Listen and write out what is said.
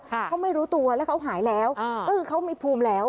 เขาไม่รู้ตัวแล้วเขาหายแล้วอ่าเออเขามีภูมิแล้ว